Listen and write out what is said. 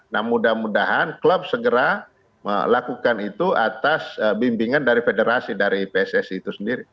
nah mudah mudahan klub segera melakukan itu atas bimbingan dari federasi dari pssi itu sendiri